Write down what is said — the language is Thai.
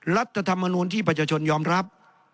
รัฐธรรมนูลที่ประชาชนยอมรับ